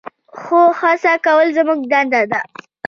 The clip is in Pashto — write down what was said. خو هڅه کول زموږ دنده ده.